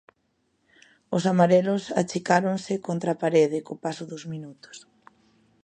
Os amarelos achicáronse contra a parede co paso dos minutos.